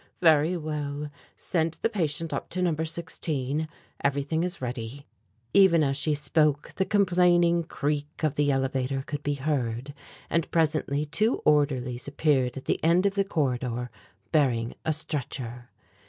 Very well. Send the patient up to No. 16. Everything is ready." Even as she spoke the complaining creak of the elevator could he heard, and presently two orderlies appeared at the end of the corridor bearing a stretcher.